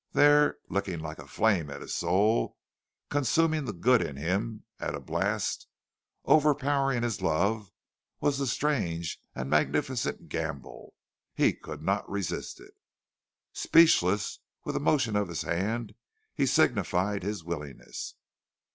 There, licking like a flame at his soul, consuming the good in him at a blast, overpowering his love, was the strange and magnificent gamble. He could not resist it. Speechless, with a motion of his hand, he signified his willingness.